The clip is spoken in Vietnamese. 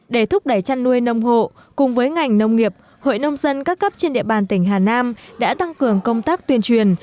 để thúc đẩy chăn nuôi nông hộ cùng với ngành nông nghiệp hội nông dân các cấp trên địa bàn tỉnh hà nam đã tăng cường công tác tuyên truyền